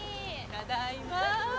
ただいま。